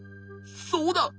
そうだ！